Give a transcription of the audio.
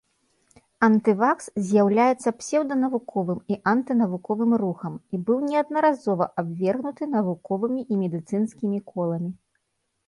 Антывакс з'яўляецца псеўданавуковым і анты-навуковым рухам і быў неаднаразова абвергнуты навуковымі і медыцынскімі коламі.